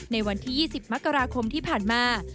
ในวันที่๒๐มกราคมที่ผ่านมา